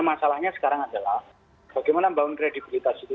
masalahnya sekarang adalah bagaimana membangun kredibilitas itu